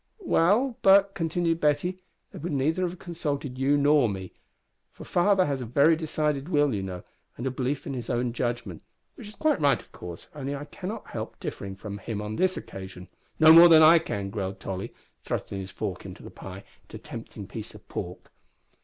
"Well, but," continued Betty, "they would neither have consulted you nor me, for father has a very decided will, you know, and a belief in his own judgment which is quite right of course, only I cannot help differing from him on this occasion " "No more can I," growled Tolly, thrusting his fork into the pie at a tempting piece of pork.